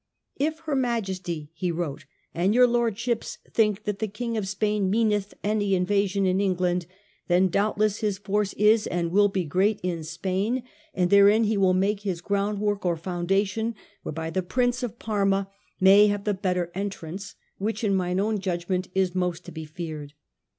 " If Her Majesty," he wrote, "and your Lordships think that the King of Spain meaneth any invasion in Eiigland, then doubtless his force is and will be great in Spain, X DEVELOPMENT OF HIS IDEAS 139 and therein he will make his groundwork or foundation whereby the Prince of Parma may have the better entrance, which in mine own judgment is most to be feared.